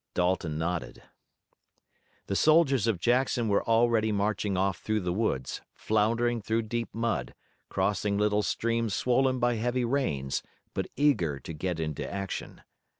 Dalton nodded. The soldiers of Jackson were already marching off through the woods, floundering through deep mud, crossing little streams swollen by heavy rains, but eager to get into action.